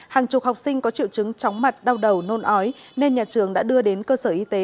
hàng chục học sinh có triệu chứng chóng mặt đau đầu nôn ói nên nhà trường đã đưa đến cơ sở y tế